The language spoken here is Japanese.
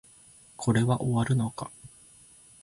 これは終わるのか